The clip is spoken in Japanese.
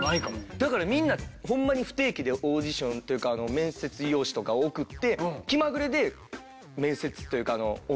だからみんなホンマに不定期でオーディションというか面接用紙とか送って気まぐれで面接というかオーディションしたりするんですよ。